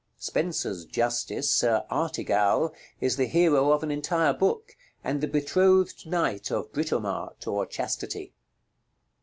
Spenser's Justice, Sir Artegall, is the hero of an entire book, and the betrothed knight of Britomart, or chastity.